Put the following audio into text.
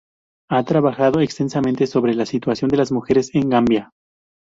Ha trabajado extensamente sobre la situación de las mujeres en Gambia.